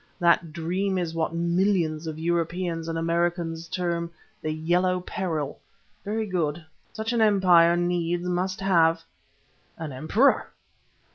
That dream is what millions of Europeans and Americans term 'the Yellow Peril! Very good. Such an empire needs must have " "An emperor!"